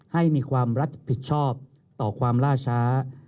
ให้มีความรับผิดชอบต่อความล่าช้า